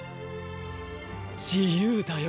自由だよ！！